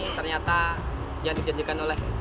ternyata yang dijanjikan oleh